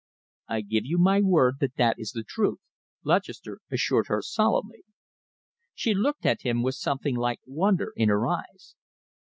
"I give you my word that this is the truth," Lutchester assured her solemnly. She looked at him with something almost like wonder in her eyes.